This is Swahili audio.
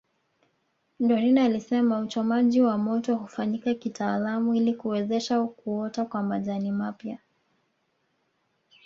Dorina alisema uchomaji wa moto hufanyika kitaalamu ili kuwezesha kuota kwa majani mapya